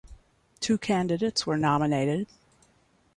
Two candidates were nominated.